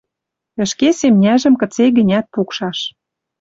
Ӹшке семняжӹм кыце-гӹнят пукшаш